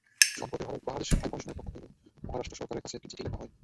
সম্প্রতি বাংলাদেশ হাইকমিশনের পক্ষ থেকে মহারাষ্ট্র সরকারের কাছে একটি চিঠি লেখা হয়।